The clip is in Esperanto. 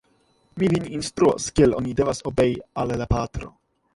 Mi vin instruos, kiel oni devas obei al la patro!